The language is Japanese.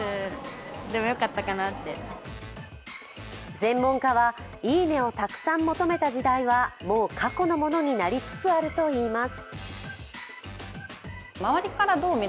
専門家は、「いいね！」をたくさん求めた時代はもう過去のものになりつつあるといいます。